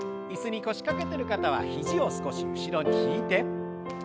椅子に腰掛けてる方は肘を少し後ろに引いて。